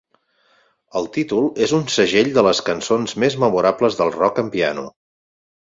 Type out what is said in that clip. El títol és un segell de les cançons més memorables del rock en piano.